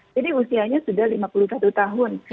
jadi usianya sudah lima puluh satu tahun